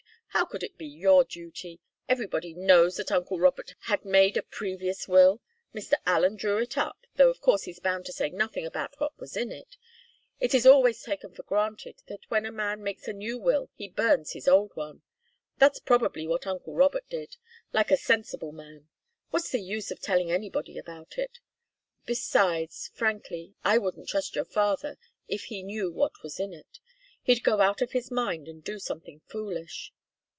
How could it be your duty? Everybody knows that uncle Robert had made a previous will. Mr. Allen drew it up, though of course he's bound to say nothing about what was in it. It is always taken for granted that when a man makes a new will he burns his old one. That's probably what uncle Robert did, like a sensible man. What's the use of telling anybody about it? Besides frankly I wouldn't trust your father, if he knew what was in it. He'd go out of his mind and do something foolish."